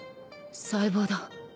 細胞だ